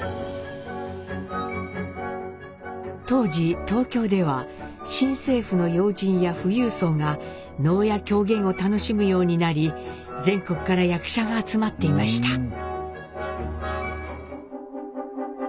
当時東京では新政府の要人や富裕層が能や狂言を楽しむようになり全国から役者が集まっていました。